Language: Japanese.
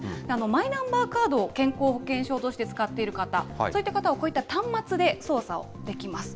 マイナンバーカードを健康保険証として使っている方、そういった方は、こういった端末で操作をできます。